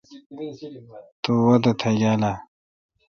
تو وادہ تیاگال اہ؟